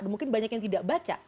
mungkin banyak yang tidak baca